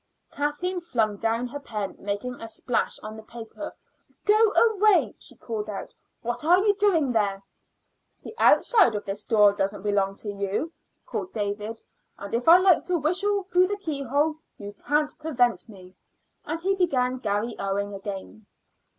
Kathleen flung down her pen, making a splash on the paper. "Go away," she called out. "What are you doing there?" "The outside of this door doesn't belong to you," called David, "and if I like to whistle through the keyhole you can't prevent me;" and he began "Garry Owen" again.